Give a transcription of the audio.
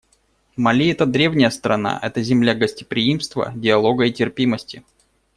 Мали — это древняя страна, это земля гостеприимства, диалога и терпимости.